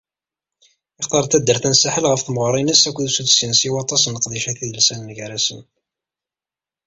Yextar taddart-a n Saḥel ɣef temɣer-ines akked usuddes-ines i waṭas n leqdicat idelsanen gar-asen.